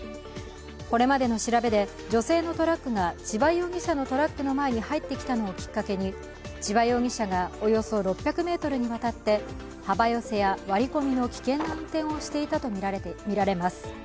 これまでの調べで、女性のトラックが千葉容疑者のトラックの前に入ってきたのをきっかけに千葉容疑者がおよそ６００ｍにわたって幅寄せや割り込みの危険な運転をしていたとみられます。